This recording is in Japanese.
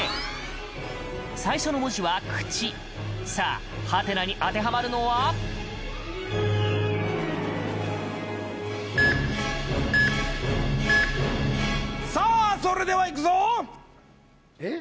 最初の文字は「口」さあ、「？」にに当てはまるのはさあ、それではいくぞ！